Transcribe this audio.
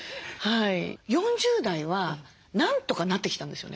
４０代はなんとかなってきたんですよね。